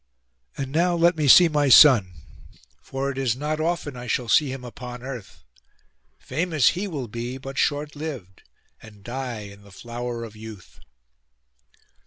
And now let me see my son; for it is not often I shall see him upon earth: famous he will be, but short lived, and die in the flower of youth.